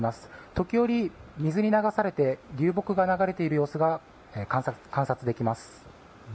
時折、水に流されて流木が流れている様子が観察できます。